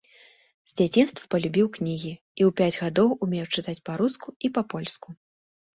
З дзяцінства палюбіў кнігі і ў пяць гадоў умеў чытаць па-руску і па-польску.